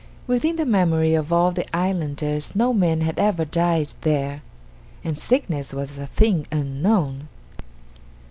Within the memory of all the islanders no man had ever died there, and sickness was a thing unknown.